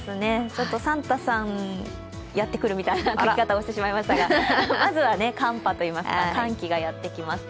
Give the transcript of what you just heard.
サンタさん、やってくるみたいな書き方をしてしまいましたが、まずは寒波といいますか、寒気がやってきます。